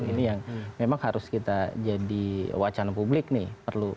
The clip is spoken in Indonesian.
ini yang memang harus kita jadi wacana publik nih